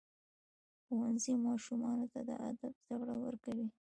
ښوونځی ماشومانو ته د ادب زده کړه ورکوي.